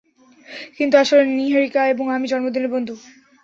কিন্তু আসলে, নীহারিকা এবং আমি জন্মদিনের বন্ধু।